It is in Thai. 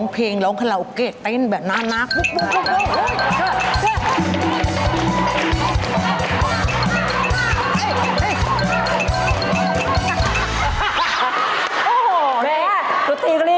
พะท่านปี